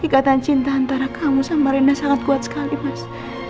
ikatan cinta antara kamu sama rina sangat kuat sekali mas